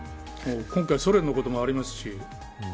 今回、ソ連のこともありますし。